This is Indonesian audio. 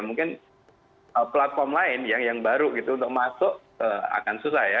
mungkin platform lain yang baru gitu untuk masuk akan susah ya